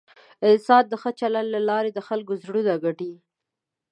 انسان د ښه چلند له لارې د خلکو زړونه ګټي.